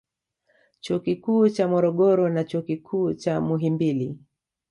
Chuo Kikuu cha Morogoro na Chuo Kikuu cha Muhimbili